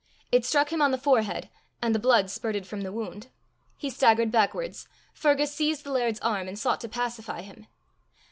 It struck him on the forehead, and the blood spirted from the wound. He staggered backwards. Fergus seized the laird's arm, and sought to pacify him.